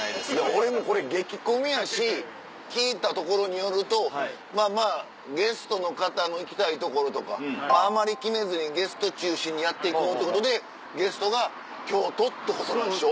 俺もこれ激混みやし聞いたところによるとまぁまぁゲストの方の行きたい所とかあんまり決めずにゲスト中心にやっていこうっていうことでゲストが京都ってことなんでしょ？